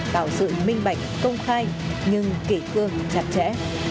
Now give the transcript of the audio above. tạo sự minh bạch công khai nhưng kỳ cương chặt chẽ